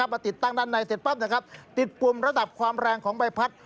มาติดตั้งด้านในเสร็จปั๊บนะครับติดปุ่มระดับความแรงของใบพัด